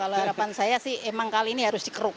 kalau harapan saya sih emang kali ini harus dikeruk